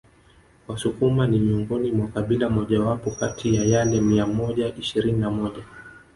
wasukuma ni miongoni mwa kabila mojawapo kati ya yale mia moja ishirini na moja